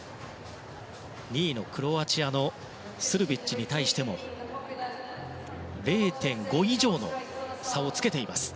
２位のクロアチアスルビッチに対しても０．５以上の差をつけています。